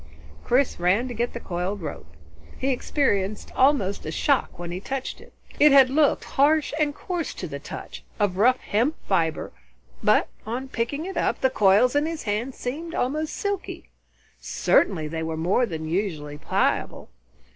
Chris ran to get the coiled rope. He experienced almost a shock when he touched it. It had looked harsh and coarse to the touch, of rough hemp fibre, but on picking it up, the coils in his hand seemed almost silky. Certainly they were more than usually pliable.